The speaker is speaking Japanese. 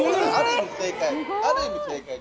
ある意味、正解。